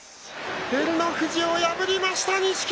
照ノ富士を破りました、錦木。